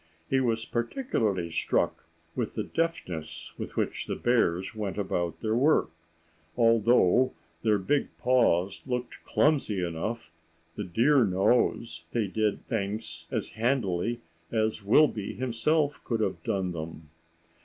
He was particularly struck with the deftness with which the bears went about their work. Although their big paws looked clumsy enough, the dear knows, they did things as handily as Wilby himself could have done them.